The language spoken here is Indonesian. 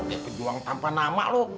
kayak pejuang tanpa nama lu